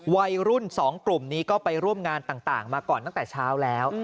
วัยรุ่น๒กลุ่มนี้ก็ไปร่วมงานต่างมาก่อนตั้งแต่เช้าแล้ว